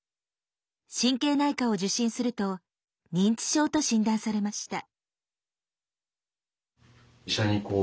神経内科を受診すると認知症と診断されました。